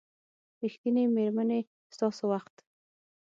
ریښتینې میرمنې ستاسو وخت